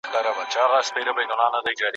د پردېس جانان کاغذه تر هر توري دي جارېږم